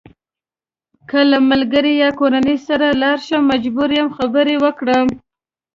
که له ملګري یا کورنۍ سره لاړ شم مجبور یم خبرې وکړم.